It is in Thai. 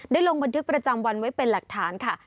ลงบันทึกประจำวันไว้เป็นหลักฐานค่ะ